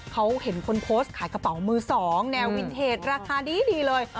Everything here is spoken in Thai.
เขาเห็นคนโพสต์ขายกระเป๋ามือ๒แนววินเทจราคาดีเลย